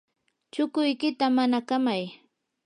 chukuykita manakamay.